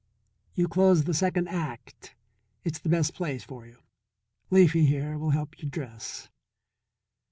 "You close the second act; it's the best place for you. Leafy, here, will help you dress."